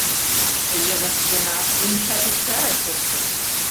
Йывышт гына «Умшат ит каре», — шоктыш.